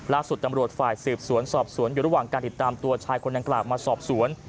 ล่าสุดตำรวจฝ่ายสืบสวนสอบสวนอยู่ระหว่างการติดตามตัวชายคนดังกล่าวมาสอบสวน